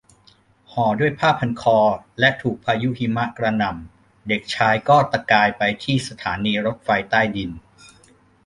ห่อด้วยผ้าพันคอและถูกพายุหิมะกระหน่ำเด็กชายก็ตะกายไปที่สถานีรถไฟใต้ดิน